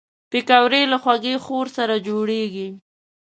پکورې له خوږې خور سره جوړېږي